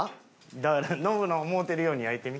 だからノブの思うてるように焼いてみ。